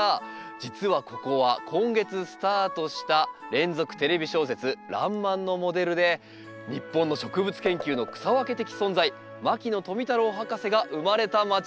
実はここは今月スタートした連続テレビ小説「らんまん」のモデルで日本の植物研究の草分け的存在牧野富太郎博士が生まれた町なんです。